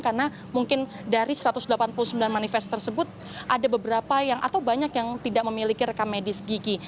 karena mungkin dari satu ratus delapan puluh sembilan manifest tersebut ada beberapa yang atau banyak yang tidak memiliki rekamedis gigi